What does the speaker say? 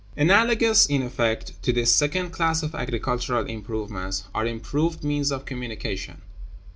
Analogous in effect to this second class of agricultural improvements are improved means of communication.